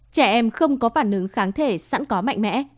trẻ em không có phản ứng kháng thể sẵn có mạnh mẽ